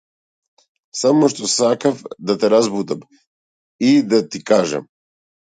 Само што сакав да те разбудам и да ти кажам.